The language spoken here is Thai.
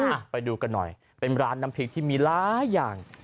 อ่ะไปดูกันหน่อยเป็นร้านน้ำพริกที่มีหลายอย่าง